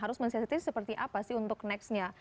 harus mensiasatinya seperti apa sih untuk next nya